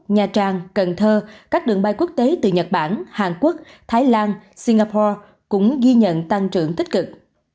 nha trang cần thơ các đường bay quốc tế từ nhật bản hàn quốc thái lan singapore cũng ghi nhận tăng trưởng tích cực